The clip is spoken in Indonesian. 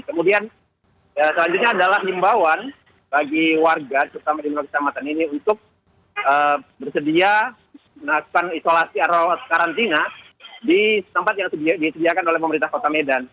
kemudian selanjutnya adalah himbawan bagi warga terutama di luar kecamatan ini untuk bersedia melakukan isolasi atau karantina di tempat yang disediakan oleh pemerintah kota medan